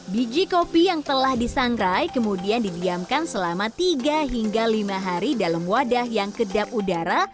biji kopi yang telah disangrai kemudian didiamkan selama tiga hingga lima hari dalam wadah yang kedap udara